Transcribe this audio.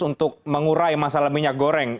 untuk mengurai masalah minyak goreng